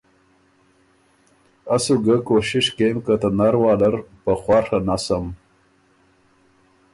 از سُو ګه کوشش کېم که ته نر واله ر په خواڒه نسم